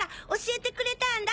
教えてくれたんだ。